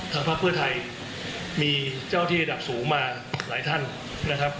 พักเพื่อไทยมีเจ้าที่ระดับสูงมาหลายท่านนะครับ